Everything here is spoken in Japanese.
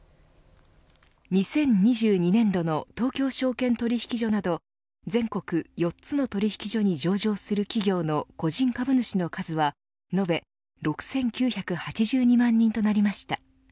２０２２年度の東京証券取引所など全国４つの取引所に上場する企業の個人株主の数は延べ６９８２万人となりました。